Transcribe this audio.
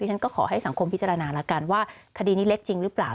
ฉันก็ขอให้สังคมพิจารณาแล้วกันว่าคดีนี้เล็กจริงหรือเปล่า